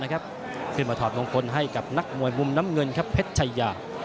ขึ้นมาถอดมงคลให้กับนักมวยมุมน้ำเงินครับเพชรชายา